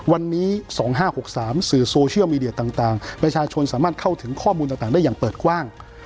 วันนี้๒๕๖๓สื่อโซเชียลมีเดียต่างประชาชนสามารถเข้าถึงข้อมูลต่างได้อย่างเปิดกว้าง